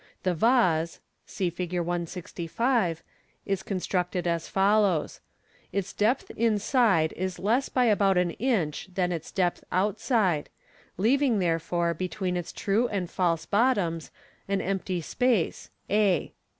The vase (see Fig. 165) is constructed as follows :— Its depth inside is less by about an inch than its depth outside, leaving, therefore, between its true and false bottoms, an empty space, a.